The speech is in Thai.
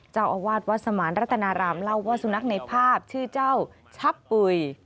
เจ้าอาวาสวัดสมานรัตนารามเล่าว่าสุนัขในภาพชื่อเจ้าชับปุ๋ย